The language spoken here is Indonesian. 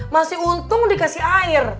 masih untung dikasih air